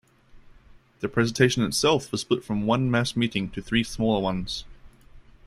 The presentation itself was split from one mass meeting to three smaller ones.